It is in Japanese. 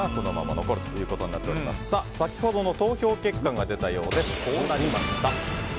先ほどの投票結果が出たようです。